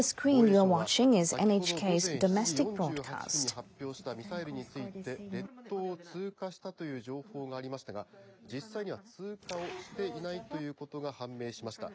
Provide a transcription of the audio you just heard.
防衛省は先ほど午前７時４８分に発表したミサイルについて列島を通過したという情報がありましたが実際には通過をしていないということが判明しました。